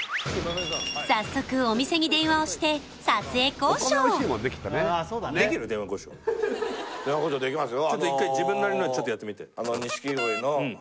早速お店に電話をして撮影交渉電話交渉できますよ